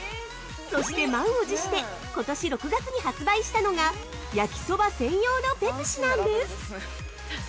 そして満を辞してことし６月に発売したのがヤキソバ専用のペプシなんです。